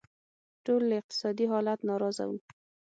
ټول له اقتصادي حالت ناراضه وو.